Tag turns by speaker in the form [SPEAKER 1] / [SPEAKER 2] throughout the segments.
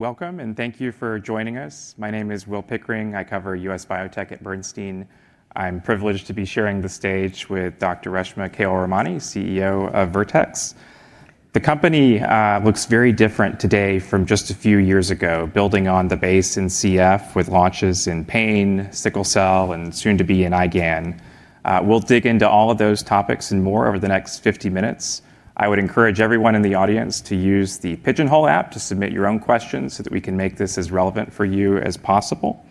[SPEAKER 1] Welcome, and thank you for joining us. My name is Will Pickering. I cover U.S. biotech at Bernstein. I'm privileged to be sharing the stage with Dr. Reshma Kewalramani, CEO of Vertex. The company looks very different today from just a few years ago, building on the base in CF with launches in pain, sickle cell, and soon to be in IgAN. We'll dig into all of those topics and more over the next 50 minutes. I would encourage everyone in the audience to use the Pigeonhole app to submit your own questions, so that we can make this as relevant for you as possible.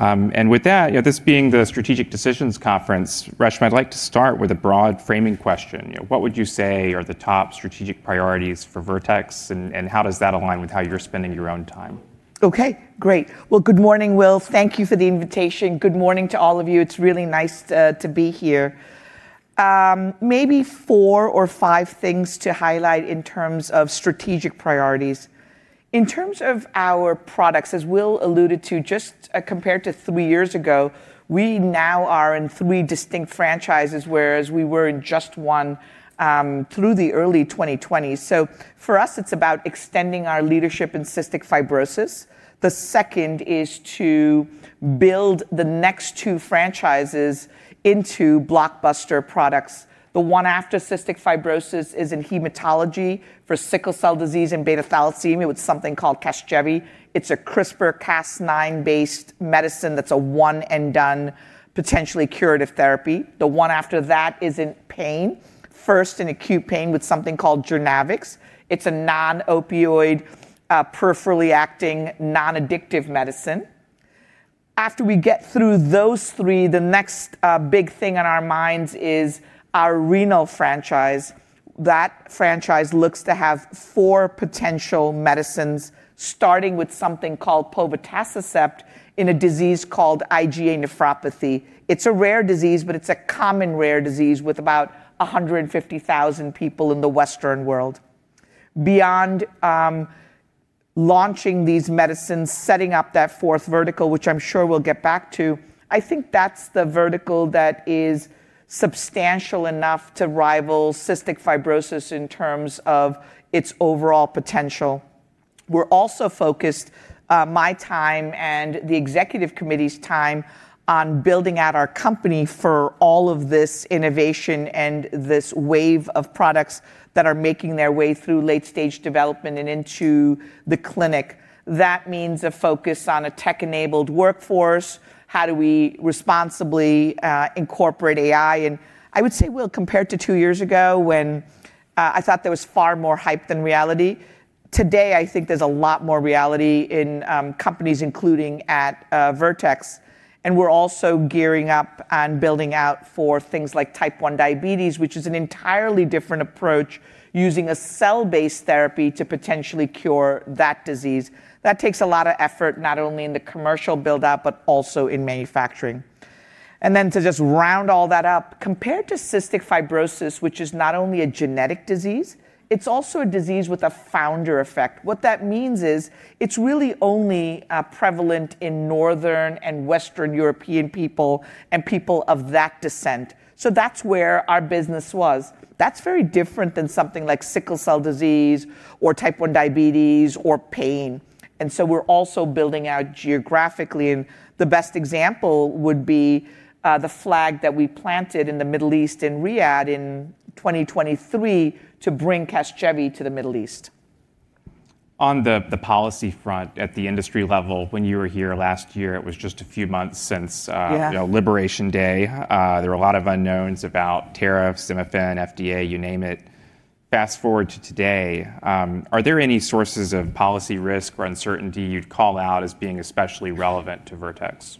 [SPEAKER 1] With that, this being the Strategic Decisions Conference, Reshma, I'd like to start with a broad framing question. What would you say are the top strategic priorities for Vertex, and how does that align with how you're spending your own time?
[SPEAKER 2] Okay, great. Well, good morning, Will. Thank you for the invitation. Good morning to all of you. It is really nice to be here. Maybe four or five things to highlight in terms of strategic priorities. In terms of our products, as Will alluded to, just compared to three years ago, we now are in three distinct franchises, whereas we were in just one through the early 2020s. For us, it is about extending our leadership in cystic fibrosis. The second is to build the next two franchises into blockbuster products. The one after cystic fibrosis is in hematology for sickle cell disease and beta thalassemia with something called CASGEVY. It is a CRISPR-Cas9-based medicine that is a one and done, potentially curative therapy. The one after that is in pain. First in acute pain with something called JOURNAVX. It is a non-opioid, peripherally acting, non-addictive medicine. After we get through those three, the next big thing on our minds is our renal franchise. That franchise looks to have four potential medicines, starting with something called povetacicept in a disease called IgA nephropathy. It's a rare disease, but it's a common rare disease with about 150,000 people in the Western world. Beyond launching these medicines, setting up that fourth vertical, which I'm sure we'll get back to, I think that's the vertical that is substantial enough to rival cystic fibrosis in terms of its overall potential. We're also focused, my time and the executive committee's time, on building out our company for all of this innovation and this wave of products that are making their way through late-stage development and into the clinic. That means a focus on a tech-enabled workforce. How do we responsibly incorporate AI? I would say, Will, compared to two years ago, when I thought there was far more hype than reality, today, I think there's a lot more reality in companies, including at Vertex. We're also gearing up and building out for things like type 1 diabetes, which is an entirely different approach, using a cell-based therapy to potentially cure that disease. That takes a lot of effort, not only in the commercial buildup, but also in manufacturing. To just round all that up, compared to cystic fibrosis, which is not only a genetic disease, it's also a disease with a founder effect. What that means is it's really only prevalent in Northern and Western European people and people of that descent. That's where our business was. That's very different than something like sickle cell disease or type 1 diabetes or pain. We're also building out geographically, and the best example would be the flag that we planted in the Middle East in Riyadh in 2023 to bring CASGEVY to the Middle East.
[SPEAKER 1] On the policy front, at the industry level, when you were here last year, it was just a few months since.
[SPEAKER 2] Yeah.
[SPEAKER 1] Liberation Day. There were a lot of unknowns about tariffs, MFN, FDA, you name it. Fast-forward to today, are there any sources of policy risk or uncertainty you'd call out as being especially relevant to Vertex?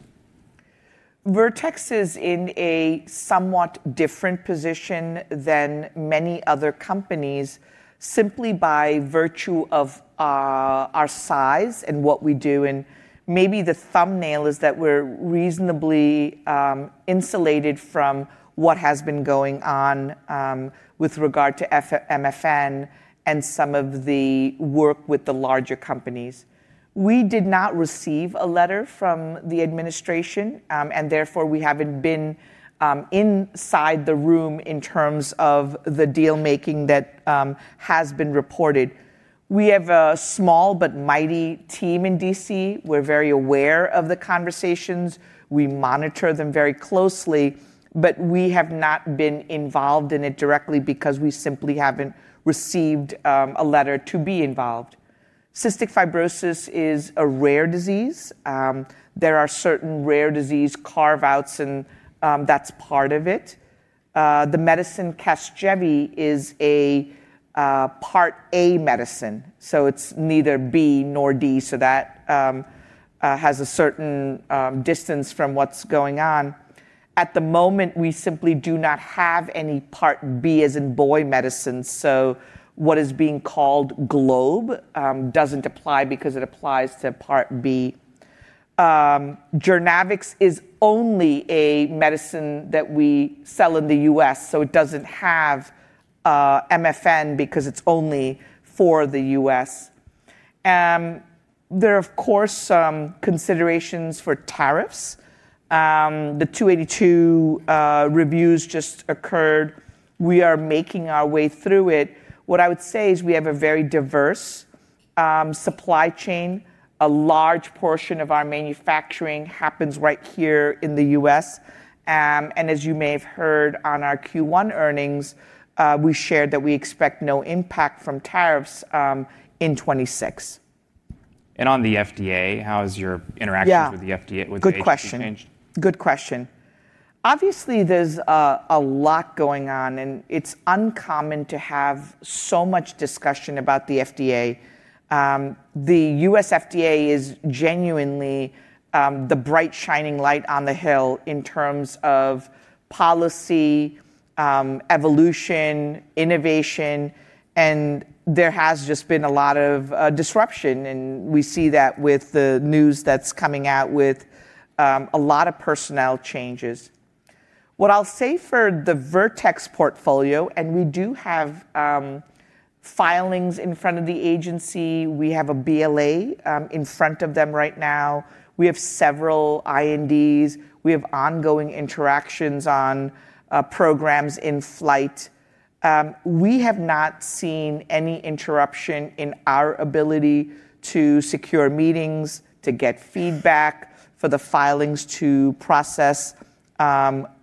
[SPEAKER 2] Vertex is in a somewhat different position than many other companies, simply by virtue of our size and what we do, and maybe the thumbnail is that we're reasonably insulated from what has been going on with regard to MFN and some of the work with the larger companies. We did not receive a letter from the administration, and therefore, we haven't been inside the room in terms of the deal-making that has been reported. We have a small but mighty team in D.C. We're very aware of the conversations. We monitor them very closely, but we have not been involved in it directly because we simply haven't received a letter to be involved. cystic fibrosis is a rare disease. There are certain rare disease carve-outs, and that's part of it. The medicine CASGEVY is a Part A medicine, so it's neither B nor D, so that has a certain distance from what's going on. At the moment, we simply do not have any Part B, as in boy medicine, so what is being called GloBE doesn't apply because it applies to Part B. JOURNAVX is only a medicine that we sell in the U.S., so it doesn't have MFN because it's only for the U.S. There are, of course, some considerations for tariffs. The 282 reviews just occurred. We are making our way through it. What I would say is we have a very diverse supply chain. A large portion of our manufacturing happens right here in the U.S. As you may have heard on our Q1 earnings, we shared that we expect no impact from tariffs in 2026.
[SPEAKER 1] On the FDA, how has your interactions?
[SPEAKER 2] Yeah.
[SPEAKER 1] With the FDA,
[SPEAKER 2] Good question.
[SPEAKER 1] Agency changed?
[SPEAKER 2] Good question. There's a lot going on. It's uncommon to have so much discussion about the FDA. The U.S. FDA is genuinely the bright shining light on the hill in terms of policy, evolution, innovation. There has just been a lot of disruption, and we see that with the news that's coming out with a lot of personnel changes. What I'll say for the Vertex portfolio, we do have filings in front of the agency. We have a BLA in front of them right now. We have several INDs. We have ongoing interactions on programs in flight. We have not seen any interruption in our ability to secure meetings, to get feedback for the filings to process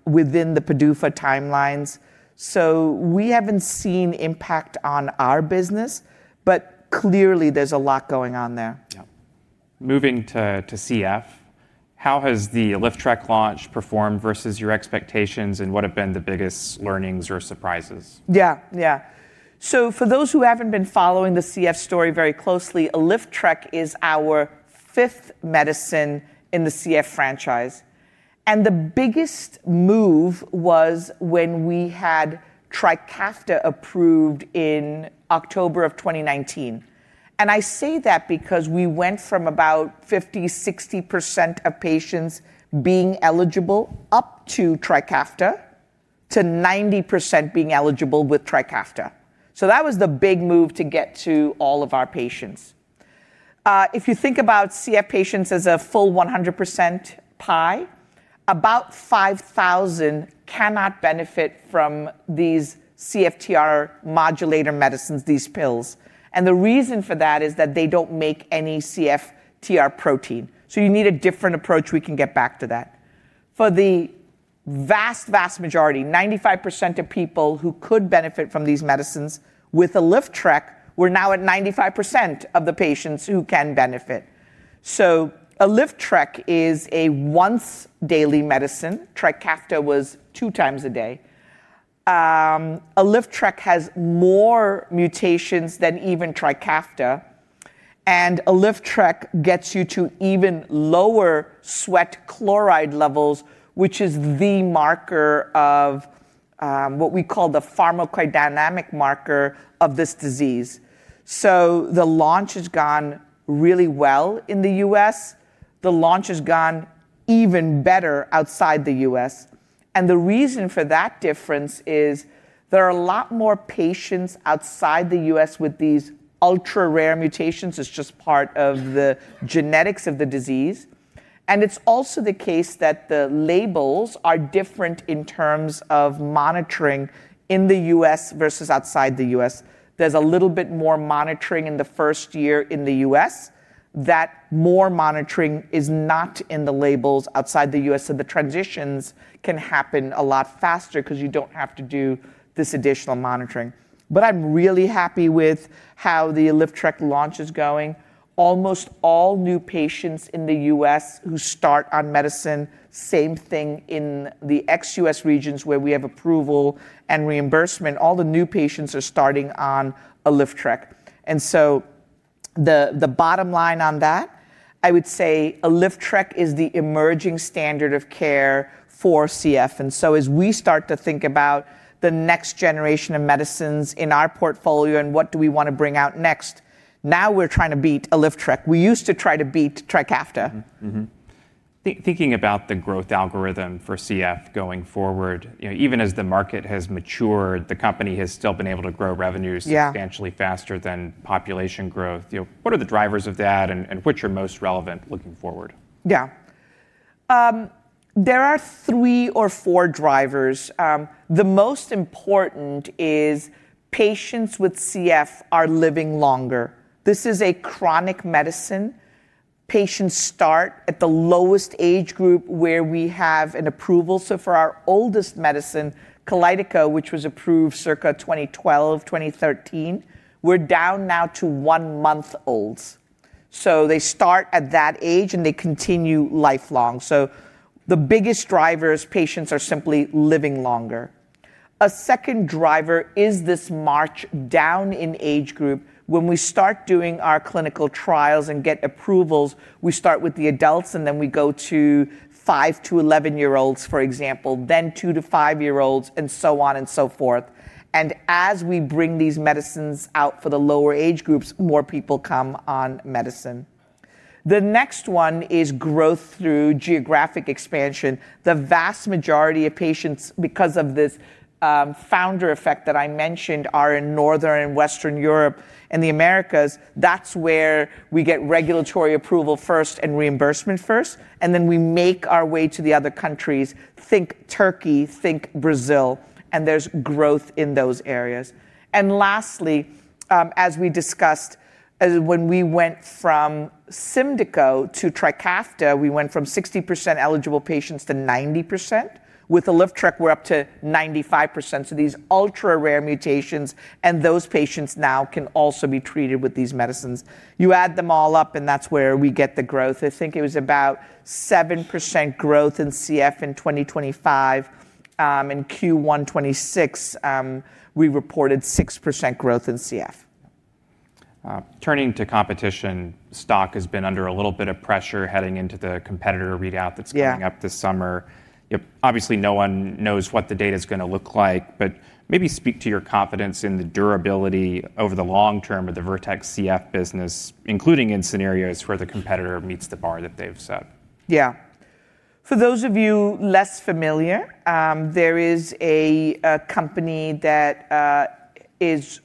[SPEAKER 2] within the PDUFA timelines. We haven't seen impact on our business, but clearly there's a lot going on there.
[SPEAKER 1] Yeah. Moving to CF, how has the ALYFTREK launch performed versus your expectations, and what have been the biggest learnings or surprises?
[SPEAKER 2] Yeah. For those who haven't been following the CF story very closely, ALYFTREK is our fifth medicine in the CF franchise. The biggest move was when we had TRIKAFTA approved in October of 2019. I say that because we went from about 50%, 60% of patients being eligible up to TRIKAFTA to 90% being eligible with TRIKAFTA. That was the big move to get to all of our patients. If you think about CF patients as a full 100% pie, about 5,000 cannot benefit from these CFTR modulator medicines, these pills. The reason for that is that they don't make any CFTR protein, so you need a different approach. We can get back to that. For the vast majority, 95% of people who could benefit from these medicines with ALYFTREK, we're now at 95% of the patients who can benefit. So ALYFTREK is a once daily medicine. TRIKAFTA was two times a day. ALYFTREK has more mutations than even TRIKAFTA, and ALYFTREK gets you to even lower sweat chloride levels, which is the marker of what we call the pharmacodynamic marker of this disease. The launch has gone really well in the U.S. The launch has gone even better outside the U.S., and the reason for that difference is there are a lot more patients outside the U.S. with these ultra-rare mutations as just part of the genetics of the disease. It's also the case that the labels are different in terms of monitoring in the U.S. versus outside the U.S. There's a little bit more monitoring in the first year in the U.S., that more monitoring is not in the labels outside the U.S., so the transitions can happen a lot faster because you don't have to do this additional monitoring. I'm really happy with how the ALYFTREK launch is going. Almost all new patients in the U.S. who start on medicine, same thing in the ex-U.S. regions where we have approval and reimbursement, all the new patients are starting on ALYFTREK. The bottom line on that, I would say ALYFTREK is the emerging standard of care for CF. As we start to think about the next generation of medicines in our portfolio and what do we want to bring out next, now we're trying to beat ALYFTREK. We used to try to beat TRIKAFTA.
[SPEAKER 1] Thinking about the growth algorithm for CF going forward, even as the market has matured, the company has still been able to grow revenues.
[SPEAKER 2] Yeah.
[SPEAKER 1] substantially faster than population growth. What are the drivers of that, and which are most relevant looking forward?
[SPEAKER 2] Yeah. There are three or four drivers. The most important is patients with CF are living longer. This is a chronic medicine. Patients start at the lowest age group where we have an approval. For our oldest medicine, Kalydeco, which was approved circa 2012, 2013, we're down now to one-month-olds. So they start at that age, and they continue lifelong. The biggest driver is patients are simply living longer. A second driver is this march down in age group. When we start doing our clinical trials and get approvals, we start with the adults, and then we go to five to 11-year-olds, for example, then two to five-year-olds, and so on and so forth. As we bring these medicines out for the lower age groups, more people come on medicine. The next one is growth through geographic expansion. The vast majority of patients, because of this founder effect that I mentioned, are in Northern and Western Europe and the Americas. That's where we get regulatory approval first and reimbursement first, and then we make our way to the other countries. Think Turkey, think Brazil, and there's growth in those areas. Lastly, as we discussed, when we went from SYMDEKO to TRIKAFTA, we went from 60% eligible patients to 90%. With ALYFTREK, we're up to 95%. These ultra-rare mutations, and those patients now can also be treated with these medicines. You add them all up, and that's where we get the growth. I think it was about 7% growth in CF in 2025. In Q1 2026, we reported 6% growth in CF.
[SPEAKER 1] Turning to competition, stock has been under a little bit of pressure heading into the competitor readout.
[SPEAKER 2] Yeah.
[SPEAKER 1] Coming up this summer. Obviously, no one knows what the data's going to look like, but maybe speak to your confidence in the durability over the long term of the Vertex CF business, including in scenarios where the competitor meets the bar that they've set.
[SPEAKER 2] For those of you less familiar, there is a company that is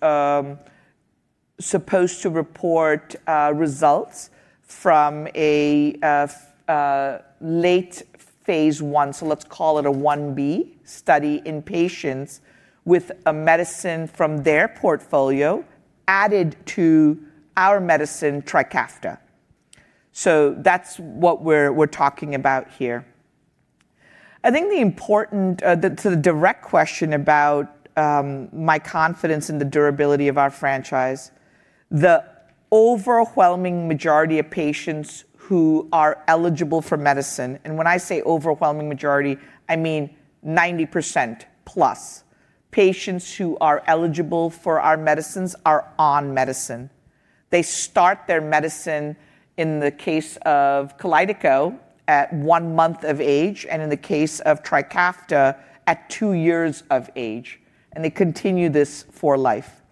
[SPEAKER 2] supposed to report results from a late phase I, so let's call it a phase I-A, study in patients with a medicine from their portfolio added to our medicine, TRIKAFTA. That's what we're talking about here. To the direct question about my confidence in the durability of our franchise, the overwhelming majority of patients who are eligible for medicine, and when I say overwhelming majority, I mean 90%+, patients who are eligible for our medicines are on medicine. They start their medicine, in the case of Kalydeco, at one month of age, and in the case of TRIKAFTA, at two years of age, and they continue this for life.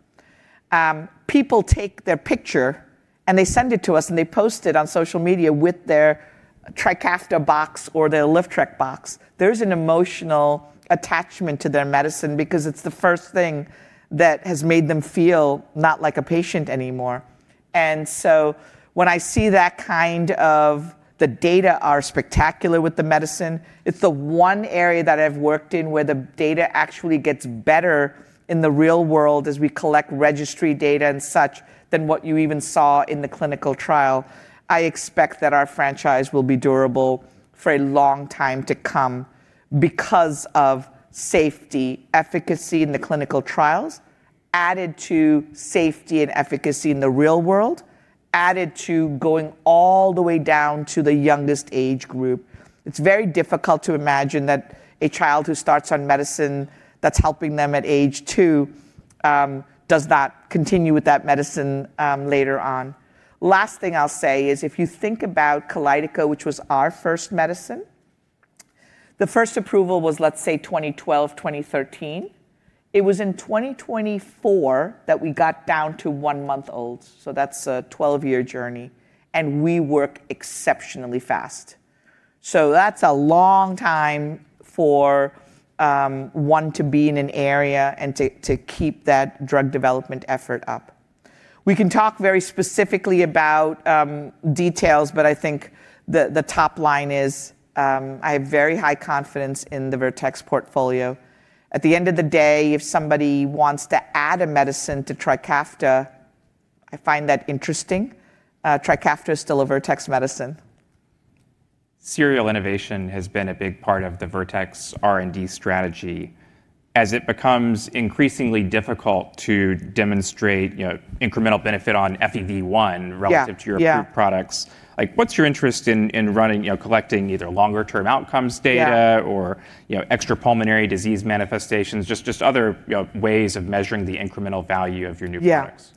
[SPEAKER 2] People take their picture and they send it to us and they post it on social media with their TRIKAFTA box or their ALYFTREK box. There's an emotional attachment to their medicine because it's the first thing that has made them feel not like a patient anymore. The data are spectacular with the medicine. It's the one area that I've worked in where the data actually gets better in the real world as we collect registry data and such, than what you even saw in the clinical trial. I expect that our franchise will be durable for a long time to come because of safety, efficacy in the clinical trials added to safety and efficacy in the real world, added to going all the way down to the youngest age group. It's very difficult to imagine that a child who starts on medicine that's helping them at age two does not continue with that medicine later on. Last thing I'll say is if you think about Kalydeco, which was our first medicine, the first approval was, let's say 2012, 2013. It was in 2024 that we got down to one month old, so that's a 12-year journey, and we work exceptionally fast. That's a long time for one to be in an area and to keep that drug development effort up. We can talk very specifically about details, but I think the top line is, I have very high confidence in the Vertex portfolio. At the end of the day, if somebody wants to add a medicine to TRIKAFTA, I find that interesting. TRIKAFTA is still a Vertex medicine.
[SPEAKER 1] Serial innovation has been a big part of the Vertex R&D strategy. As it becomes increasingly difficult to demonstrate incremental benefit on FEV1.
[SPEAKER 2] Yeah.
[SPEAKER 1] relative to your approved products. What's your interest in collecting either longer-term outcomes data or extra pulmonary disease manifestations, just other ways of measuring the incremental value of your new products?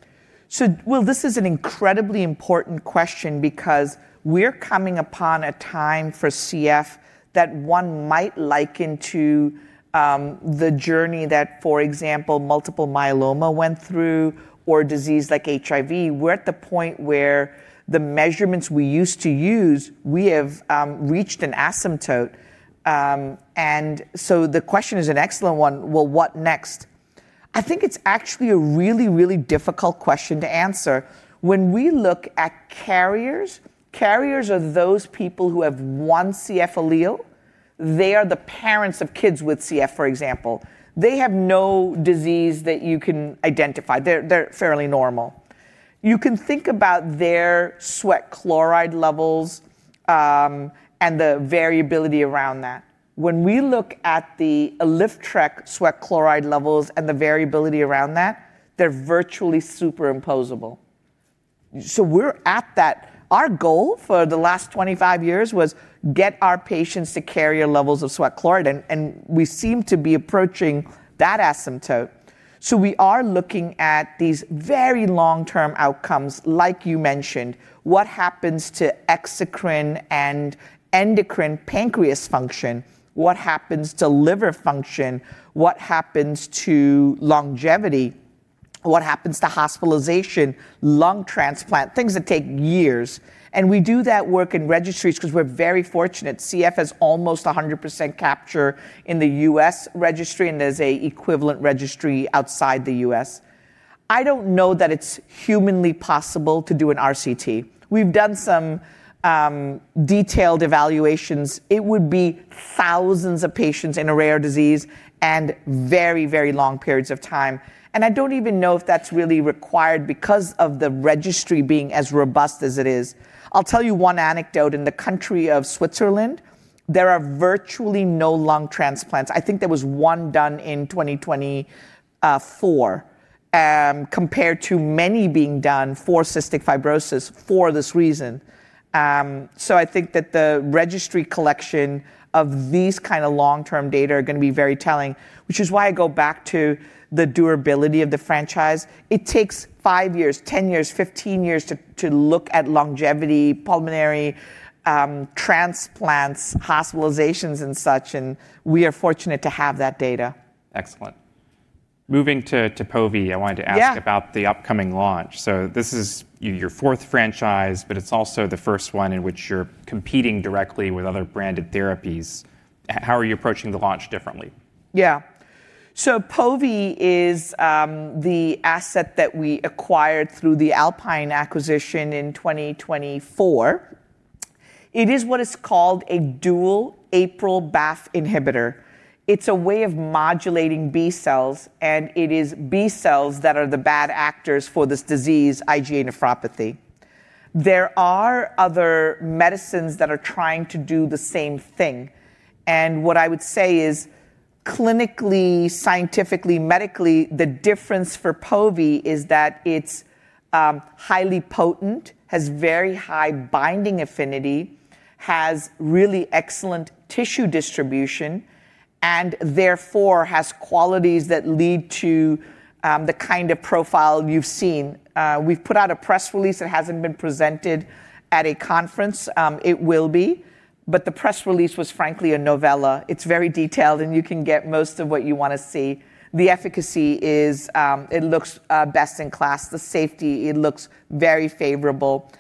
[SPEAKER 2] Yeah. Will, this is an incredibly important question because we're coming upon a time for CF that one might liken to the journey that, for example, multiple myeloma went through or a disease like HIV. We're at the point where the measurements we used to use, we have reached an asymptote. The question is an excellent one. Well, what next? I think it's actually a really, really difficult question to answer. When we look at carriers, carriers are those people who have one CF allele. They are the parents of kids with CF, for example. They have no disease that you can identify. They're fairly normal. You can think about their sweat chloride levels, and the variability around that. When we look at the ALYFTREK sweat chloride levels and the variability around that, they're virtually superimposable. We're at that. Our goal for the last 25 years was get our patients to carrier levels of sweat chloride, and we seem to be approaching that asymptote. We are looking at these very long-term outcomes, like you mentioned. What happens to exocrine and endocrine pancreas function? What happens to liver function? What happens to longevity? What happens to hospitalization, lung transplant, things that take years. We do that work in registries because we're very fortunate. CF has almost 100% capture in the U.S. registry, and there's an equivalent registry outside the U.S. I don't know that it's humanly possible to do an RCT. We've done some detailed evaluations. It would be thousands of patients in a rare disease and very, very long periods of time. I don't even know if that's really required because of the registry being as robust as it is. I'll tell you one anecdote. In the country of Switzerland, there are virtually no lung transplants. I think there was one done in 2024, compared to many being done for cystic fibrosis for this reason. I think that the registry collection of these kind of long-term data are going to be very telling, which is why I go back to the durability of the franchise. It takes five years, 10 years, 15 years to look at longevity, pulmonary transplants, hospitalizations, and such, and we are fortunate to have that data.
[SPEAKER 1] Excellent. Moving to Pove, I wanted to ask.
[SPEAKER 2] Yeah.
[SPEAKER 1] About the upcoming launch. This is your fourth franchise, but it's also the first one in which you're competing directly with other branded therapies. How are you approaching the launch differently?
[SPEAKER 2] Yeah. Pove is the asset that we acquired through the Alpine acquisition in 2024. It is what is called a dual APRIL-BAFF inhibitor. It's a way of modulating B cells, and it is B cells that are the bad actors for this disease, IgA nephropathy. There are other medicines that are trying to do the same thing, and what I would say is clinically, scientifically, medically, the difference for Pove is that it's highly potent, has very high binding affinity, has really excellent tissue distribution, and therefore has qualities that lead to the kind of profile you've seen. We've put out a press release that hasn't been presented at a conference. It will be. The press release was frankly a novella. It's very detailed, and you can get most of what you want to see. The efficacy looks best in class. The safety looks very favorable.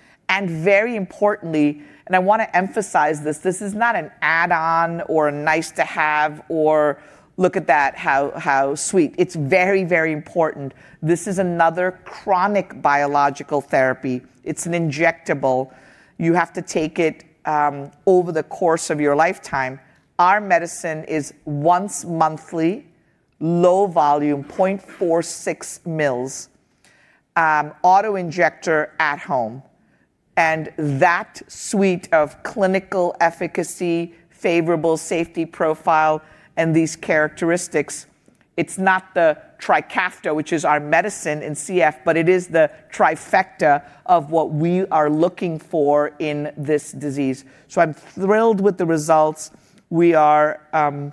[SPEAKER 2] Very importantly, and I want to emphasize this is not an add-on or a nice-to-have or look at that how sweet. It's very, very important. This is another chronic biological therapy. It's an injectable. You have to take it over the course of your lifetime. Our medicine is once monthly, low volume, 0.46 mL, auto-injector at home. That suite of clinical efficacy, favorable safety profile, and these characteristics, it's not the TRIKAFTA, which is our medicine in CF, but it is the trifecta of what we are looking for in this disease. I'm thrilled with the results. We are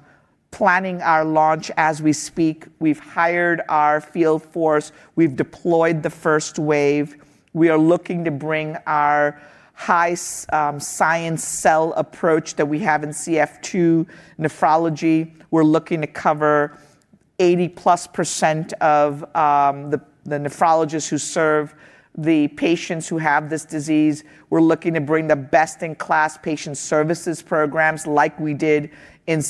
[SPEAKER 2] planning our launch as we speak. We've hired our field force. We've deployed the first wave. We are looking to bring our high science cell approach that we have in CF to nephrology. We're looking to cover 80%+ of the nephrologists who serve the patients who have this disease. We're looking to bring the best-in-class patient services programs like we did in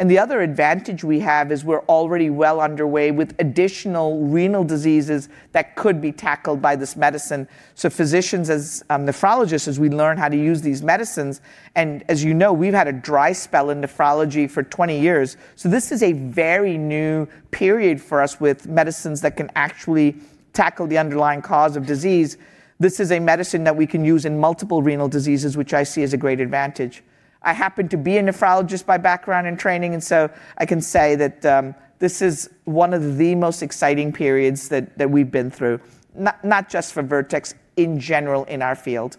[SPEAKER 2] CF. The other advantage we have is we're already well underway with additional renal diseases that could be tackled by this medicine. Physicians as nephrologists, as we learn how to use these medicines, and as you know, we've had a dry spell in nephrology for 20 years. This is a very new period for us with medicines that can actually tackle the underlying cause of disease. This is a medicine that we can use in multiple renal diseases, which I see as a great advantage. I happen to be a nephrologist by background and training, and so I can say that this is one of the most exciting periods that we've been through, not just for Vertex, in general in our field.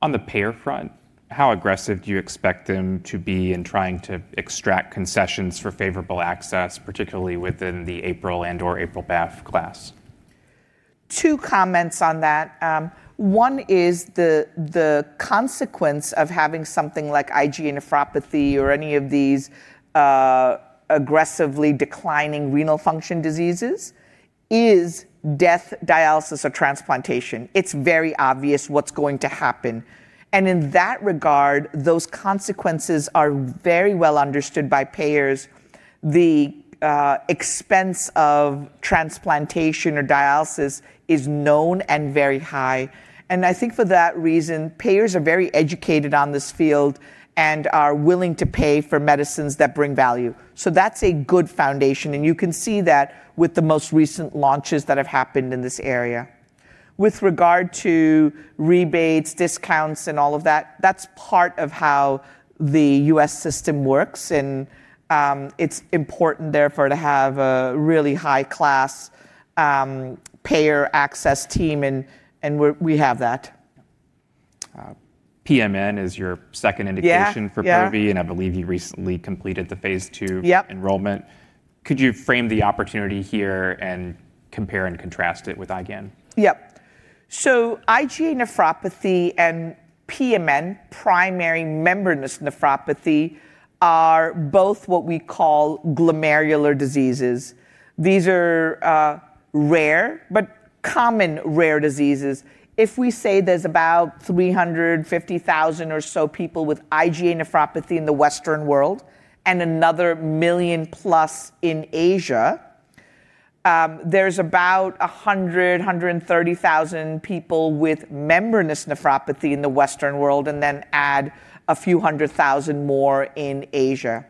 [SPEAKER 1] On the payer front, how aggressive do you expect them to be in trying to extract concessions for favorable access, particularly within the APRIL and/or APRIL-BAFF class?
[SPEAKER 2] Two comments on that. One is the consequence of having something like IgA nephropathy or any of these aggressively declining renal function diseases is death, dialysis, or transplantation. It's very obvious what's going to happen, and in that regard, those consequences are very well understood by payers. The expense of transplantation or dialysis is known and very high, and I think for that reason, payers are very educated on this field and are willing to pay for medicines that bring value. That's a good foundation, and you can see that with the most recent launches that have happened in this area. With regard to rebates, discounts, and all of that's part of how the U.S. system works, and it's important therefore to have a really high-class payer access team, and we have that.
[SPEAKER 1] PMN is your second indication for Pove?
[SPEAKER 2] Yeah.
[SPEAKER 1] I believe you recently completed the phase II enrollment. Could you frame the opportunity here and compare and contrast it with IgAN?
[SPEAKER 2] Yep. IgA nephropathy and PMN, primary membranous nephropathy, are both what we call glomerular diseases. These are rare, but common rare diseases. If we say there's about 350,000 or so people with IgA nephropathy in the Western world, and another million plus in Asia. There's about 100,000, 130,000 people with membranous nephropathy in the Western world, and then add a few hundred thousand more in Asia.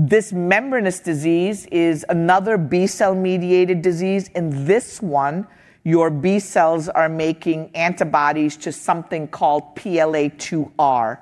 [SPEAKER 2] This membranous disease is another B cell mediated disease. In this one, your B cells are making antibodies to something called PLA2R.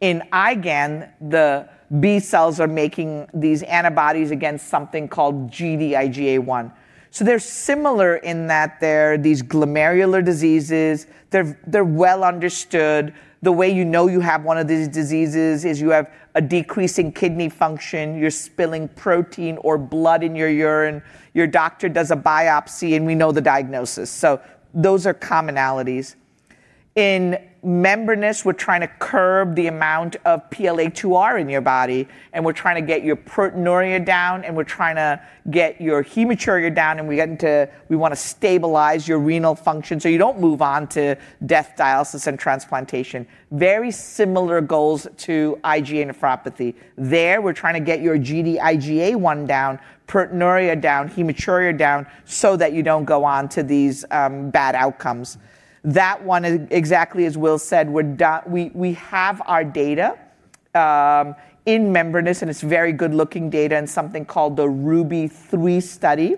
[SPEAKER 2] In IgAN, the B cells are making these antibodies against something called Gd-IgA1. They're similar in that they're these glomerular diseases. They're well understood. The way you know you have one of these diseases is you have a decrease in kidney function. You're spilling protein or blood in your urine. Your doctor does a biopsy, and we know the diagnosis. Those are commonalities. In membranous, we're trying to curb the amount of PLA2R in your body, and we're trying to get your proteinuria down, and we're trying to get your hematuria down, and we want to stabilize your renal function so you don't move on to death, dialysis, and transplantation. Very similar goals to IgA nephropathy. There, we're trying to get your Gd-IgA1 down, proteinuria down, hematuria down, so that you don't go on to these bad outcomes. That one, exactly as Will said, we have our data in membranous, and it's very good-looking data in something called the RUBY-3 study.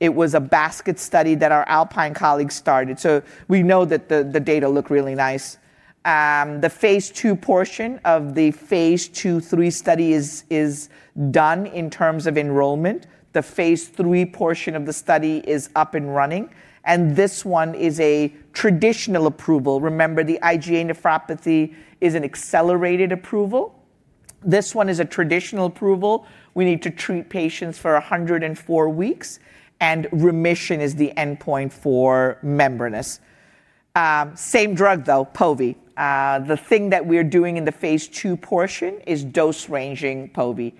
[SPEAKER 2] It was a basket study that our Alpine colleagues started. We know that the data look really nice. The phase II portion of the phase II/III study is done in terms of enrollment. The phase III portion of the study is up and running. This one is a traditional approval. Remember, the IgA nephropathy is an accelerated approval. This one is a traditional approval. We need to treat patients for 104 weeks, and remission is the endpoint for membranous. Same drug, though, Pove. The thing that we're doing in the phase II portion is dose ranging Pove.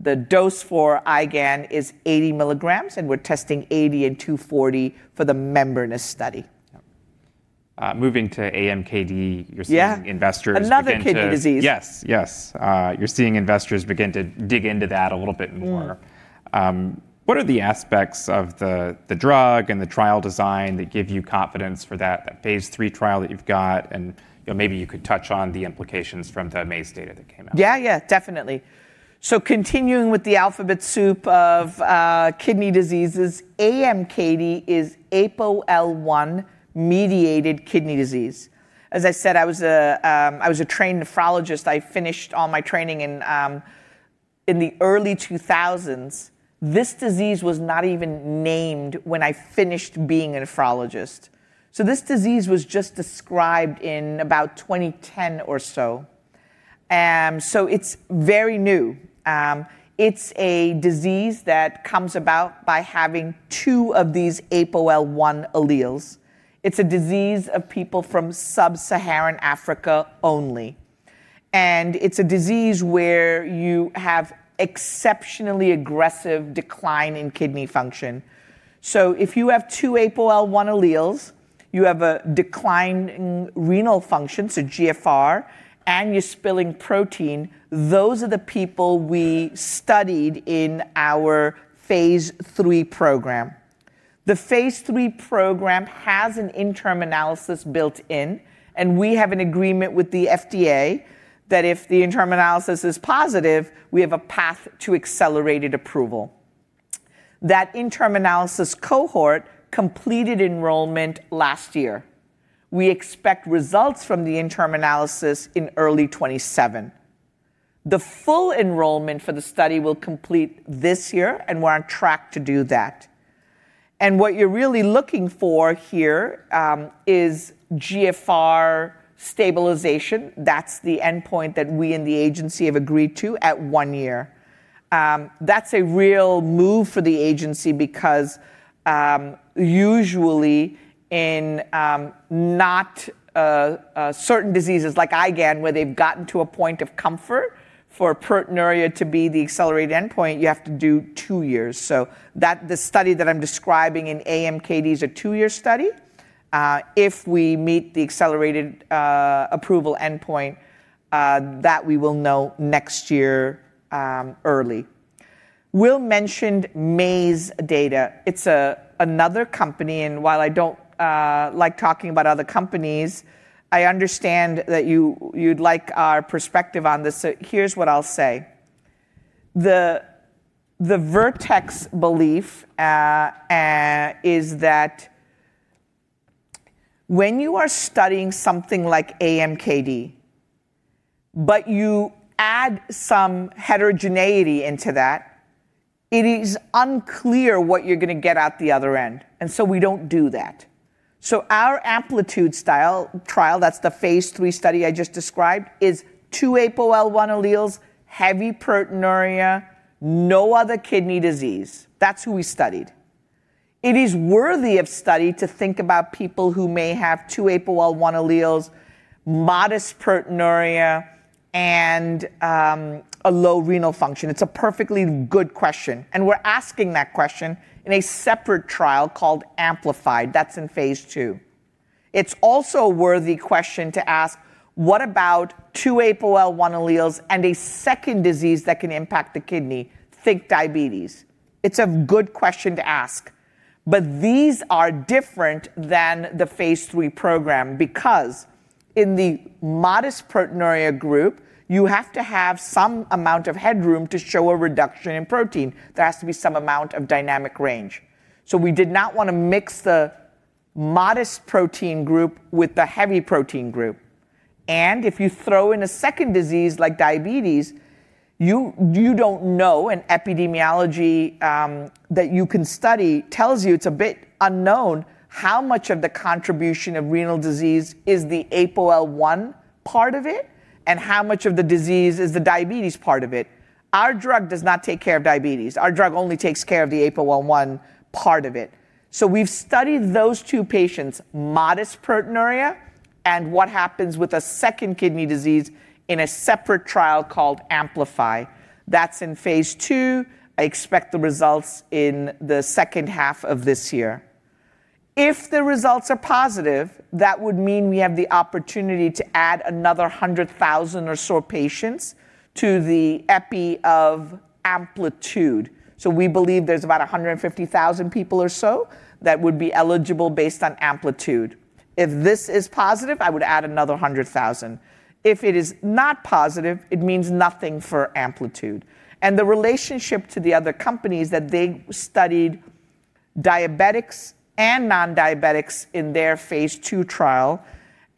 [SPEAKER 2] The dose for IgAN is 80 mg, and we're testing 80 mg and 240 mg for the membranous study.
[SPEAKER 1] Moving to AMKD, you're seeing investors begin.
[SPEAKER 2] Another kidney disease.
[SPEAKER 1] Yes. You're seeing investors begin to dig into that a little bit more. What are the aspects of the drug and the trial design that give you confidence for that phase III trial that you've got? Maybe you could touch on the implications from the Maze data that came out.
[SPEAKER 2] Yeah, yeah, definitely. Continuing with the alphabet soup of kidney diseases, AMKD is APOL1-mediated kidney disease. As I said, I was a trained nephrologist. I finished all my training in the early 2000s. This disease was not even named when I finished being a nephrologist. This disease was just described in about 2010 or so. It's very new. It's a disease that comes about by having two of these APOL1 alleles. It's a disease of people from Sub-Saharan Africa only. It's a disease where you have exceptionally aggressive decline in kidney function. If you have two APOL1 alleles, you have a decline in renal function, so GFR, and you're spilling protein, those are the people we studied in our phase III program. The phase III program has an interim analysis built in, we have an agreement with the FDA that if the interim analysis is positive, we have a path to accelerated approval. That interim analysis cohort completed enrollment last year. We expect results from the interim analysis in early 2027. The full enrollment for the study will complete this year, and we're on track to do that. What you're really looking for here is GFR stabilization. That's the endpoint that we and the agency have agreed to at one year. That's a real move for the agency because usually in not certain diseases like IgAN, where they've gotten to a point of comfort for proteinuria to be the accelerated endpoint, you have to do two years. The study that I'm describing in AMKD is a two-year study. If we meet the accelerated approval endpoint, that we will know next year early. Will mentioned Maze data. It's another company, and while I don't like talking about other companies, I understand that you'd like our perspective on this, so here's what I'll say. The Vertex belief is that when you are studying something like AMKD, but you add some heterogeneity into that, it is unclear what you're going to get out the other end. We don't do that. Our AMPLITUDE trial, that's the phase III study I just described, is two APOL1 alleles, heavy proteinuria, no other kidney disease. That's who we studied. It is worthy of study to think about people who may have two APOL1 alleles, modest proteinuria and a low renal function. It's a perfectly good question, and we're asking that question in a separate trial called AMPLIFIED. That's in phase II. It's also a worthy question to ask, what about two APOL1 alleles and a second disease that can impact the kidney? Think diabetes. These are different than the phase III program because in the modest proteinuria group, you have to have some amount of headroom to show a reduction in protein. There has to be some amount of dynamic range. We did not want to mix the modest protein group with the heavy protein group. If you throw in a second disease like diabetes, you don't know, and epidemiology that you can study tells you it's a bit unknown how much of the contribution of renal disease is the APOL1 part of it and how much of the disease is the diabetes part of it. Our drug does not take care of diabetes. Our drug only takes care of the APOL1 part of it. We've studied those two patients, modest proteinuria and what happens with a second kidney disease in a separate trial called AMPLIFIED. That's in phase II. I expect the results in the second half of this year. If the results are positive, that would mean we have the opportunity to add another 100,000 or so patients to the epi of AMPLITUDE. We believe there's about 150,000 people or so that would be eligible based on AMPLITUDE. If this is positive, I would add another 100,000. If it is not positive, it means nothing for AMPLITUDE. The relationship to the other companies that they studied diabetics and non-diabetics in their phase II trial,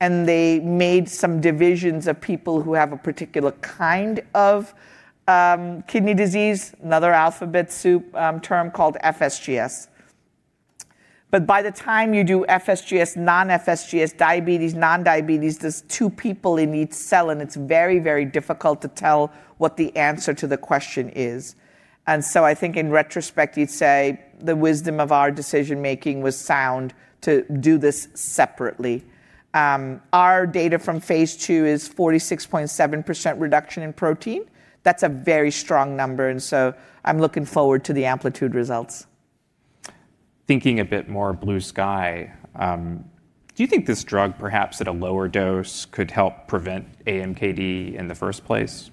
[SPEAKER 2] and they made some divisions of people who have a particular kind of kidney disease, another alphabet soup term called FSGS. By the time you do FSGS, non-FSGS, diabetes, non-diabetes, there's two people in each cell, and it's very difficult to tell what the answer to the question is. I think in retrospect, you'd say the wisdom of our decision-making was sound to do this separately. Our data from phase II is 46.7% reduction in protein. That's a very strong number, and so I'm looking forward to the AMPLITUDE results.
[SPEAKER 1] Thinking a bit more blue sky, do you think this drug perhaps at a lower dose could help prevent AMKD in the first place?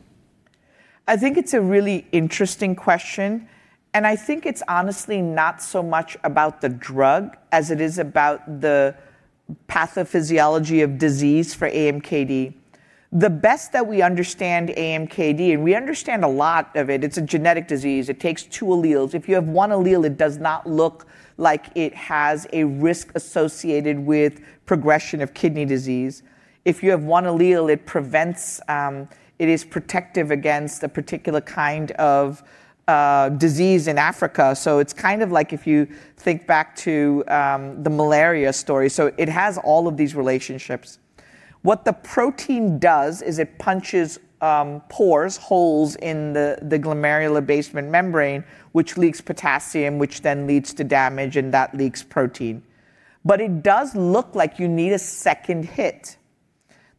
[SPEAKER 2] I think it's a really interesting question, and I think it's honestly not so much about the drug as it is about the pathophysiology of disease for AMKD. The best that we understand AMKD, and we understand a lot of it's a genetic disease. It takes two alleles. If you have one allele, it does not look like it has a risk associated with progression of kidney disease. If you have one allele, it is protective against a particular kind of disease in Africa. It's kind of like if you think back to the malaria story. It has all of these relationships. What the protein does is it punches pores, holes in the glomerular basement membrane, which leaks potassium, which then leads to damage, and that leaks protein. It does look like you need a second hit.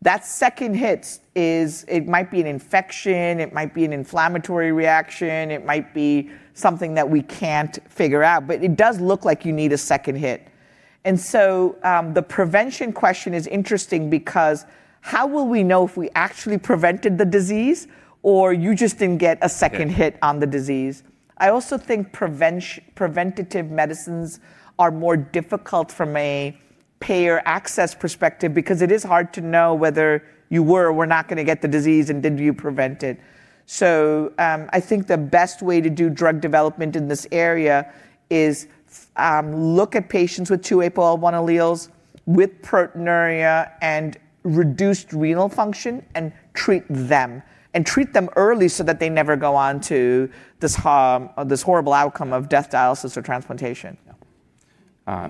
[SPEAKER 2] That second hit might be an infection, it might be an inflammatory reaction. It might be something that we can't figure out, but it does look like you need a second hit. The prevention question is interesting because how will we know if we actually prevented the disease or you just didn't get a second hit on the disease? I also think preventative medicines are more difficult from a payer access perspective because it is hard to know whether you were or were not going to get the disease, and did you prevent it. I think the best way to do drug development in this area is look at patients with two APOL1 alleles with proteinuria and reduced renal function, and treat them early so that they never go on to this horrible outcome of death, dialysis, or transplantation.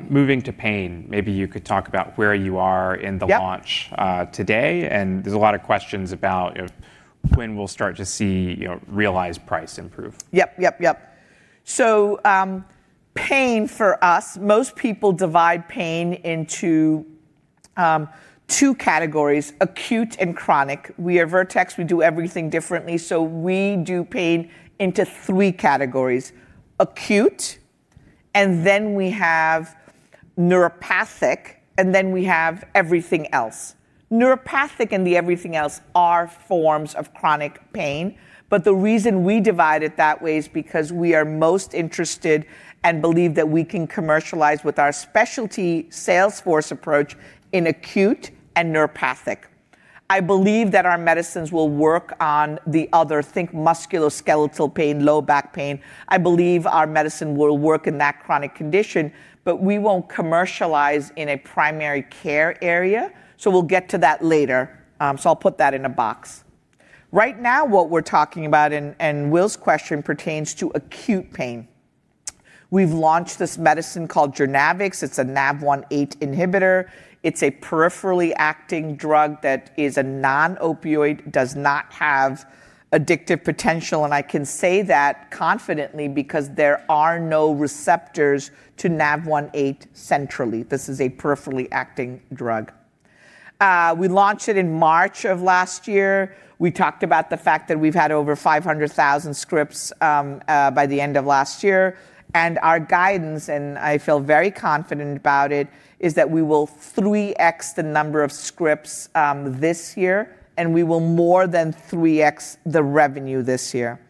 [SPEAKER 1] Moving to pain, maybe you could talk about where you are in the launch-
[SPEAKER 2] Yep.
[SPEAKER 1] Today, there's a lot of questions about when we'll start to see realized price improve.
[SPEAKER 2] Pain for us, most people divide pain into two categories, acute and chronic. We are Vertex, we do everything differently, we do pain into three categories, acute, and then we have neuropathic, and then we have everything else. Neuropathic and the everything else are forms of chronic pain, the reason we divide it that way is because we are most interested and believe that we can commercialize with our specialty sales force approach in acute and neuropathic. I believe that our medicines will work on the other, think musculoskeletal pain, low back pain. I believe our medicine will work in that chronic condition, we won't commercialize in a primary care area. We'll get to that later. I'll put that in a box. Right now, what we're talking about, Will's question pertains to acute pain. We've launched this medicine called JOURNAVX. It's a NaV1.8 inhibitor. It's a peripherally acting drug that is a non-opioid, does not have addictive potential, and I can say that confidently because there are no receptors to NaV1.8 centrally. This is a peripherally acting drug. We launched it in March of last year. We talked about the fact that we've had over 500,000 scripts by the end of last year. Our guidance, and I feel very confident about it, is that we will 3X the number of scripts this year, and we will more than 3X the revenue this year.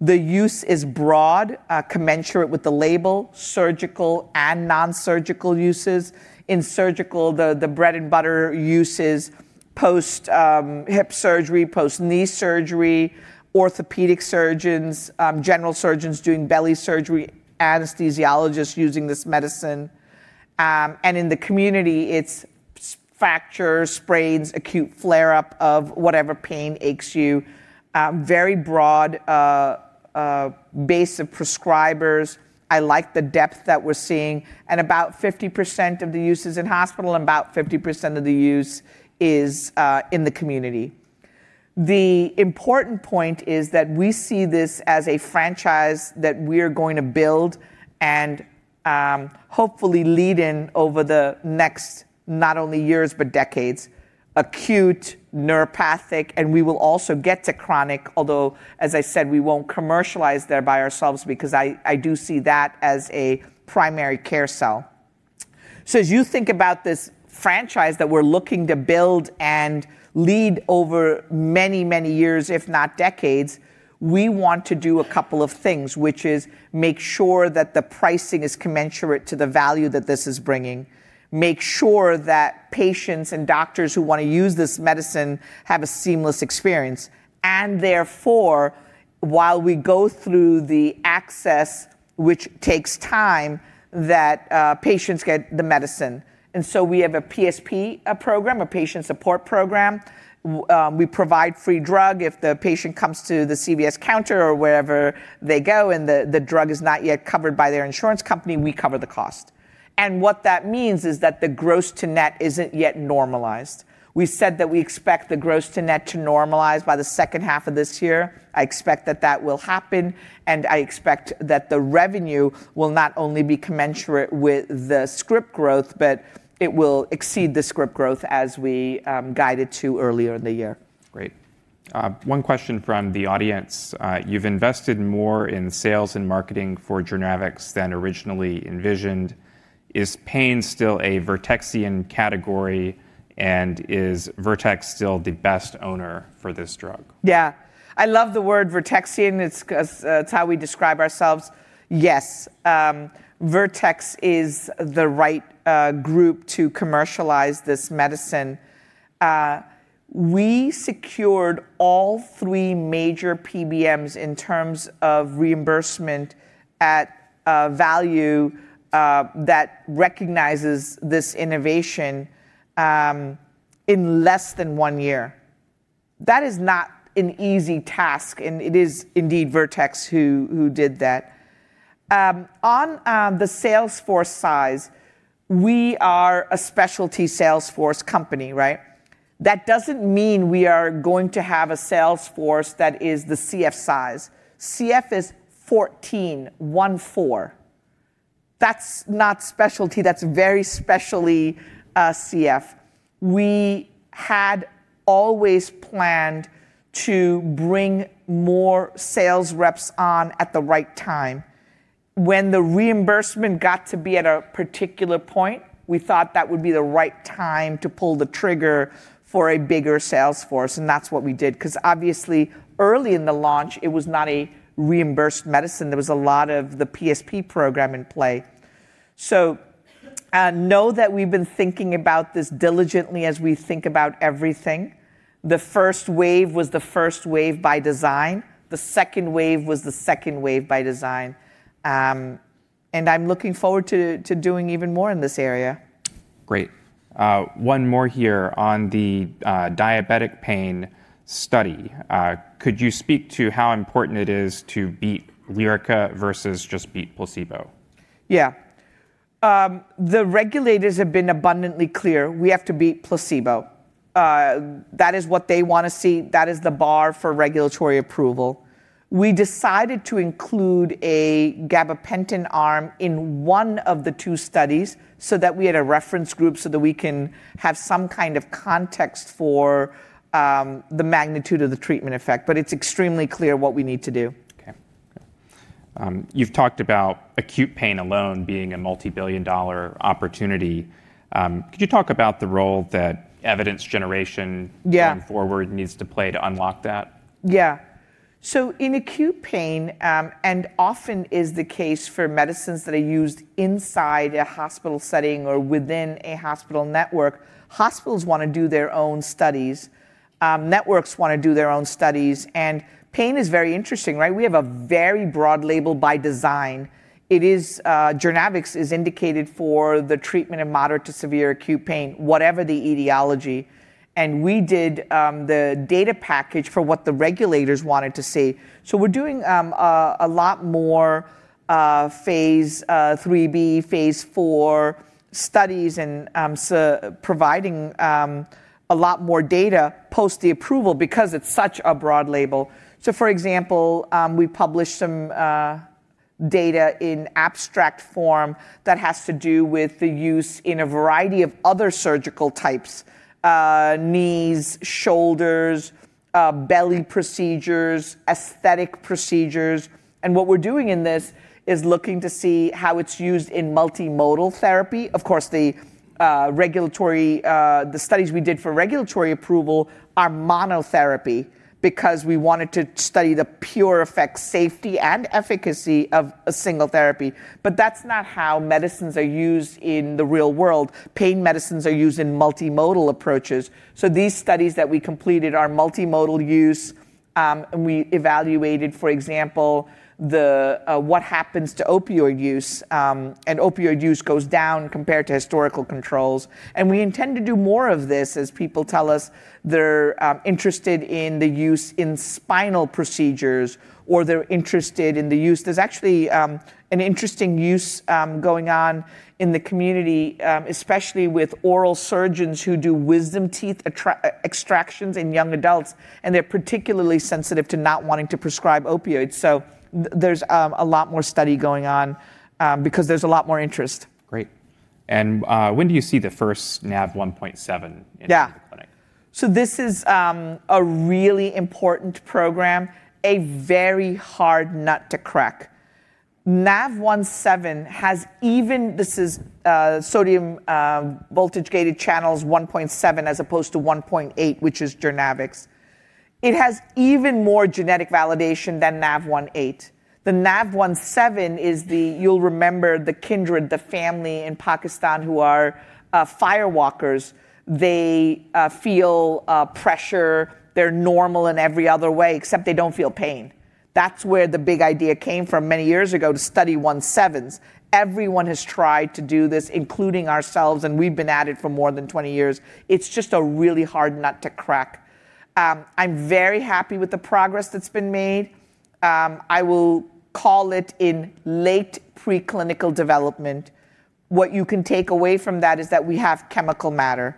[SPEAKER 2] The use is broad, commensurate with the label, surgical and non-surgical uses. In surgical, the bread and butter use is post-hip surgery, post-knee surgery, orthopedic surgeons, general surgeons doing belly surgery, anesthesiologists using this medicine. In the community, it's fractures, sprains, acute flare up of whatever pain aches you. Very broad base of prescribers. I like the depth that we're seeing. About 50% of the use is in hospital, and about 50% of the use is in the community. The important point is that we see this as a franchise that we're going to build and hopefully lead in over the next, not only years, but decades. Acute, neuropathic, we will also get to chronic, although, as I said, we won't commercialize there by ourselves because I do see that as a primary care cell. As you think about this franchise that we're looking to build and lead over many years, if not decades, we want to do a couple of things, which is make sure that the pricing is commensurate to the value that this is bringing. Make sure that patients and doctors who want to use this medicine have a seamless experience. Therefore, while we go through the access, which takes time, that patients get the medicine. So we have a PSP program, a patient support program. We provide free drug if the patient comes to the CVS counter or wherever they go, and the drug is not yet covered by their insurance company, we cover the cost. What that means is that the gross to net isn't yet normalized. We said that we expect the gross to net to normalize by the second half of this year. I expect that that will happen, and I expect that the revenue will not only be commensurate with the script growth, but it will exceed the script growth as we guided to earlier in the year.
[SPEAKER 1] Great. One question from the audience. You've invested more in sales and marketing for JOURNAVX than originally envisioned. Is pain still a Vertexian category, and is Vertex still the best owner for this drug?
[SPEAKER 2] Yeah. I love the word Vertexian. It is how we describe ourselves. Yes. Vertex is the right group to commercialize this medicine. We secured all three major PBMs in terms of reimbursement at a value that recognizes this innovation in less than one year. That is not an easy task, and it is indeed Vertex who did that. On the sales force size, we are a specialty sales force company, right? That does not mean we are going to have a sales force that is the CF size. CF is 14. That is not specialty, that is very specialty CF. We had always planned to bring more sales reps on at the right time. When the reimbursement got to be at a particular point, we thought that would be the right time to pull the trigger for a bigger sales force, and that is what we did. Obviously, early in the launch, it was not a reimbursed medicine. There was a lot of the PSP program in play. Know that we've been thinking about this diligently as we think about everything. The first wave was the first wave by design. The second wave was the second wave by design. I'm looking forward to doing even more in this area.
[SPEAKER 1] Great. One more here on the diabetic pain study. Could you speak to how important it is to beat Lyrica versus just beat placebo?
[SPEAKER 2] Yeah. The regulators have been abundantly clear. We have to beat placebo. That is what they want to see. That is the bar for regulatory approval. We decided to include a gabapentin arm in one of the two studies so that we had a reference group so that we can have some kind of context for the magnitude of the treatment effect. It's extremely clear what we need to do.
[SPEAKER 1] Okay. You've talked about acute pain alone being a multi-billion dollar opportunity. Could you talk about the role that evidence generation going forward needs to play to unlock that?
[SPEAKER 2] Yeah. In acute pain, often is the case for medicines that are used inside a hospital setting or within a hospital network, hospitals want to do their own studies. Networks want to do their own studies. Pain is very interesting, right? We have a very broad label by design. JOURNAVX is indicated for the treatment of moderate to severe acute pain, whatever the etiology, and we did the data package for what the regulators wanted to see. We're doing a lot more phase III-B, phase IV studies and providing a lot more data post the approval because it's such a broad label. For example, we published some data in abstract form that has to do with the use in a variety of other surgical types, knees, shoulders, belly procedures, aesthetic procedures. What we're doing in this is looking to see how it's used in multimodal therapy. Of course, the studies we did for regulatory approval are monotherapy because we wanted to study the pure effect, safety, and efficacy of a single therapy. That's not how medicines are used in the real world. Pain medicines are used in multimodal approaches. These studies that we completed are multimodal use. We evaluated, for example, what happens to opioid use, and opioid use goes down compared to historical controls. We intend to do more of this as people tell us they're interested in the use in spinal procedures or they're interested in the use. There's actually an interesting use going on in the community, especially with oral surgeons who do wisdom teeth extractions in young adults, and they're particularly sensitive to not wanting to prescribe opioids. There's a lot more study going on because there's a lot more interest.
[SPEAKER 1] Great. When do you see the first NaV1.7 into the clinic?
[SPEAKER 2] Yeah. This is a really important program, a very hard nut to crack. NaV1.7. This is sodium voltage-gated channels 1.7 as opposed to 1.8, which is JOURNAVX. It has even more genetic validation than NaV1.8. NaV1.7. You'll remember the Kindred, the family in Pakistan who are fire walkers. They feel pressure. They're normal in every other way, except they don't feel pain. That's where the big idea came from many years ago to study 1.7s. Everyone has tried to do this, including ourselves, and we've been at it for more than 20 years. It's just a really hard nut to crack. I'm very happy with the progress that's been made. I will call it in late preclinical development. What you can take away from that is that we have chemical matter.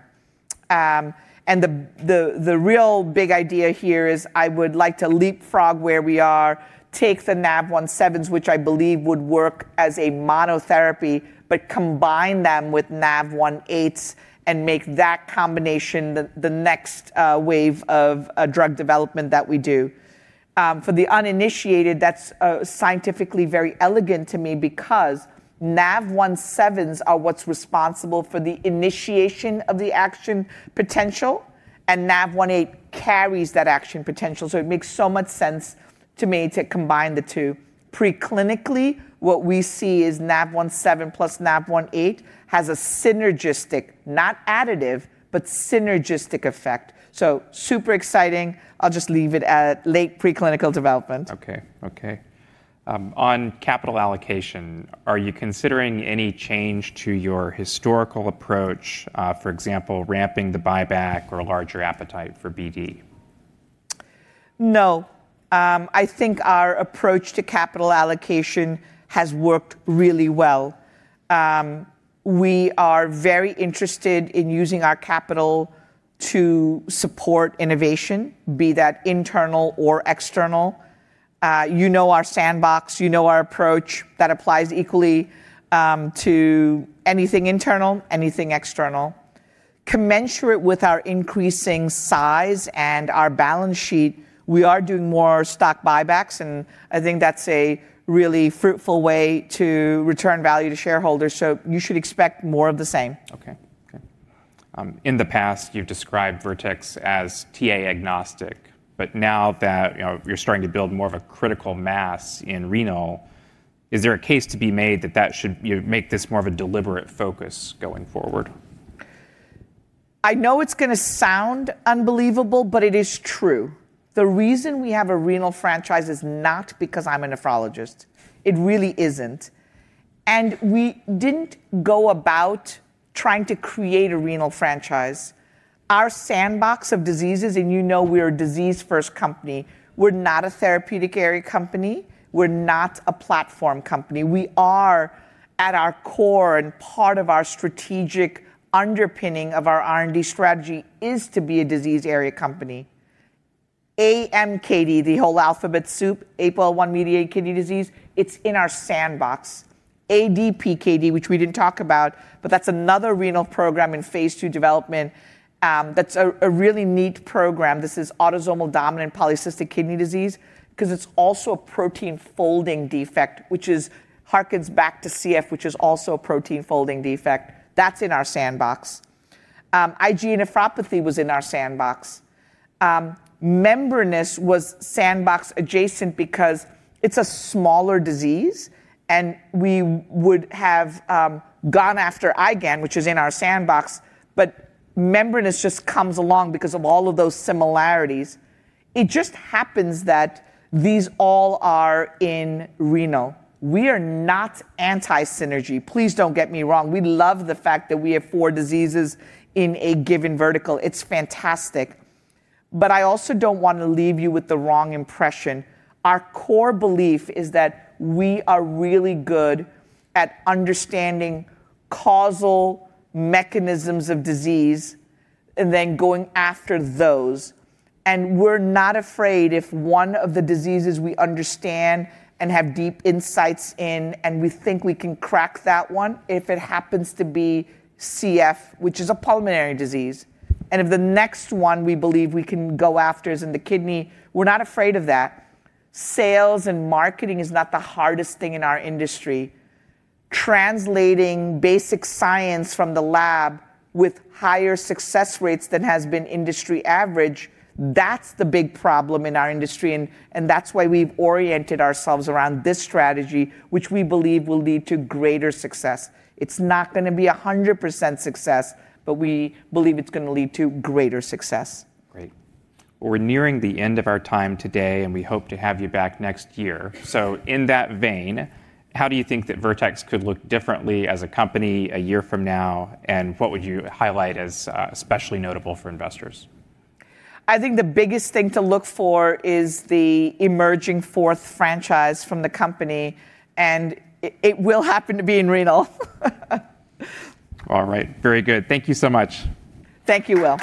[SPEAKER 2] The real big idea here is I would like to leapfrog where we are, take the NaV1.7s, which I believe would work as a monotherapy, but combine them with NaV1.8s and make that combination the next wave of drug development that we do. For the uninitiated, that's scientifically very elegant to me because NaV1.7s are what's responsible for the initiation of the action potential, and NaV1.8 carries that action potential. It makes so much sense to me to combine the two. Preclinically, what we see is NaV1.7 + NaV1.8 has a synergistic, not additive, but synergistic effect. Super exciting. I'll just leave it at late preclinical development.
[SPEAKER 1] Okay. On capital allocation, are you considering any change to your historical approach, for example, ramping the buyback or a larger appetite for BD?
[SPEAKER 2] No. I think our approach to capital allocation has worked really well. We are very interested in using our capital to support innovation, be that internal or external. You know our sandbox, you know our approach. That applies equally to anything internal, anything external. Commensurate with our increasing size and our balance sheet, we are doing more stock buybacks, and I think that's a really fruitful way to return value to shareholders. You should expect more of the same.
[SPEAKER 1] Okay. In the past, you've described Vertex as TA agnostic, but now that you're starting to build more of a critical mass in renal, is there a case to be made that that should make this more of a deliberate focus going forward?
[SPEAKER 2] I know it's going to sound unbelievable, but it is true. The reason we have a renal franchise is not because I'm a nephrologist. It really isn't. We didn't go about trying to create a renal franchise. Our sandbox of diseases, and you know we're a disease-first company. We're not a therapeutic area company. We're not a platform company. We are at our core and part of our strategic underpinning of our R&D strategy is to be a disease area company. AMKD, the whole alphabet soup, APOL1-mediated kidney disease, it's in our sandbox. ADPKD, which we didn't talk about, but that's another renal program in phase II development that's a really neat program. This is autosomal dominant polycystic kidney disease because it's also a protein-folding defect, which harkens back to CF, which is also a protein-folding defect. That's in our sandbox. IgA nephropathy was in our sandbox. Membranous was sandbox adjacent because it's a smaller disease, and we would have gone after IgAN, which is in our sandbox, but membranous just comes along because of all of those similarities. It just happens that these all are in renal. We are not anti-synergy. Please don't get me wrong. We love the fact that we have four diseases in a given vertical. It's fantastic. I also don't want to leave you with the wrong impression. Our core belief is that we are really good at understanding causal mechanisms of disease and then going after those. We're not afraid if one of the diseases we understand and have deep insights in, and we think we can crack that one, if it happens to be CF, which is a pulmonary disease, and if the next one we believe we can go after is in the kidney, we're not afraid of that. Sales and marketing is not the hardest thing in our industry. Translating basic science from the lab with higher success rates than has been industry average, that's the big problem in our industry, and that's why we've oriented ourselves around this strategy, which we believe will lead to greater success. It's not going to be 100% success, but we believe it's going to lead to greater success.
[SPEAKER 1] Great. We're nearing the end of our time today, and we hope to have you back next year. In that vein, how do you think that Vertex could look differently as a company a year from now, and what would you highlight as especially notable for investors?
[SPEAKER 2] I think the biggest thing to look for is the emerging fourth franchise from the company, and it will happen to be in renal.
[SPEAKER 1] All right. Very good. Thank you so much.
[SPEAKER 2] Thank you, Will.